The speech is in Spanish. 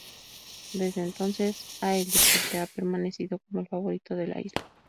Desde entonces ha el deporte ha permanecido como el favorito de la isla.